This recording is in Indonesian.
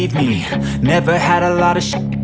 ketika kau di situ